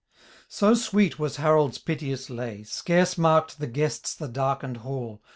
So sweet was Harold's piteous lay, Scarce marked the guests the darkened hall.